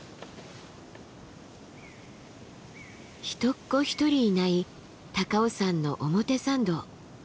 人っ子一人いない高尾山の表参道。